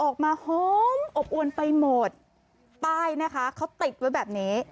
ออกมาหอมอบอวนไปหมดป้ายนะคะเขาติดไว้แบบนี้